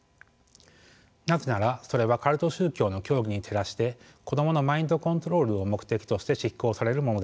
なぜならそれはカルト宗教の教義に照らして子供のマインドコントロールを目的として執行されるものだからです。